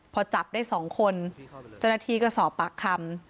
พอจับได้๒คนเจ้าหน้าที่ก็สอบปากคำ